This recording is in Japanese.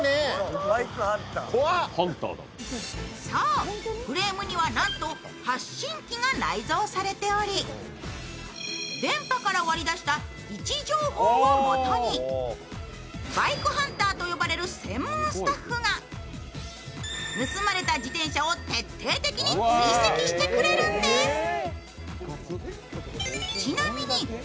そう、フレームにはなんと発信器が内蔵されており電波から割り出した位置情報をもとにバイクハンターと呼ばれる専門スタッフが盗まれた自転車を徹底的に追跡してくれるんです。